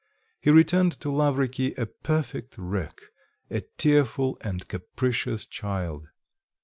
He returned to Lavriky a perfect wreck, a tearful and capricious child.